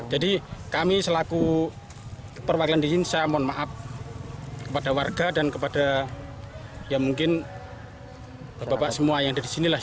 jadi kami selaku perwakilan di sini saya mohon maaf kepada warga dan kepada ya mungkin bapak bapak semua yang ada di sini lah